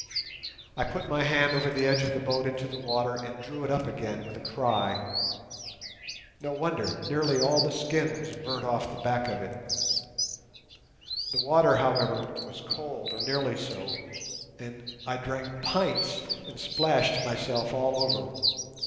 I put my hand over the edge of the boat into the water and drew it up again with a cry. No wonder: nearly all the skin was burnt off the back of it. The water, however, was cold, or nearly so, and I drank pints and splashed myself all over.